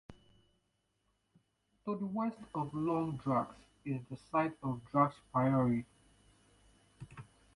To the west of Long Drax is the site of Drax Priory.